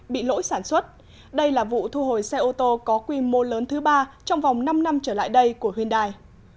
bị lỗi sản xuất đây là vụ thu hồi xe ô tô có quy mô lớn thứ ba trong vòng năm năm trở lại đây của hyundai